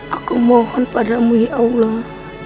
aku mohon padamu ya allah